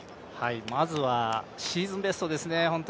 まずはシーズンベストですね。